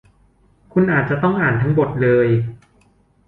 คุณอาจจะต้องอ่านทั้งบทเลย